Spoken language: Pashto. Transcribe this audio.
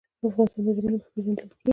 افغانستان د ژمی له مخې پېژندل کېږي.